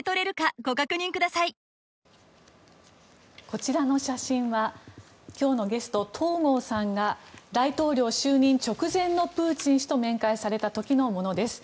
こちらの写真は今日のゲスト、東郷さんが大統領就任直前のプーチン氏と面会された時のものです。